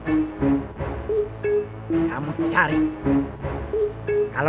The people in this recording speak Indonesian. jangan macem macem sama anak muslihat